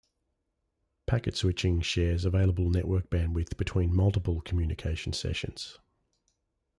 Packet switching shares available network bandwidth between multiple communication sessions.